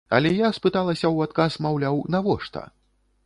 Але я спыталася ў адказ, маўляў, навошта?